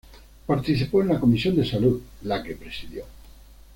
Participó en la Comisión de Salud, la que presidió.